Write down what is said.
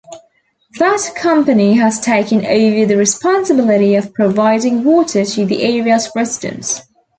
That company has taken over the responsibility of providing water to the area's residents.